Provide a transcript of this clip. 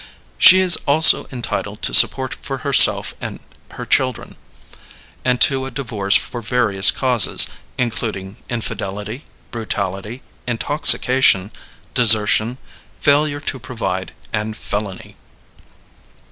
She is also entitled to support for herself and her children, and to a divorce for various causes, including infidelity, brutality, intoxication, desertion, failure to provide, and felony.